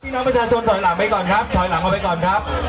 น้องประชาชนถอยหลังไปก่อนครับถอยหลังออกไปก่อนครับ